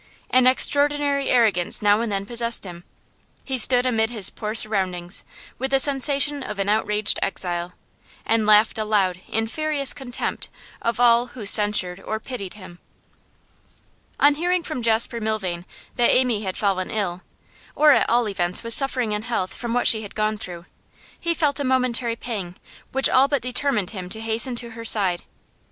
An extraordinary arrogance now and then possessed him; he stood amid his poor surroundings with the sensations of an outraged exile, and laughed aloud in furious contempt of all who censured or pitied him. On hearing from Jasper Milvain that Amy had fallen ill, or at all events was suffering in health from what she had gone through, he felt a momentary pang which all but determined him to hasten to her side.